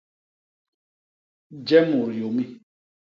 Je mut yômi.